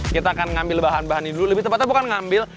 kita akan ambil bahan bahan ini dulu lebih tepatnya bukan ngambil